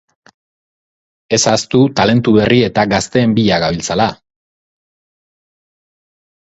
Ez ahaztu talentu berri eta gazteen bila gabiltzala!